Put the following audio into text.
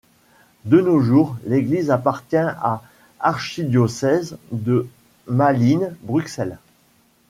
De nos jours, l'église appartient à archidiocèse de Malines-Bruxelles.